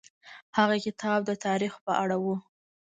هغه کتاب د تاریخ په اړه و.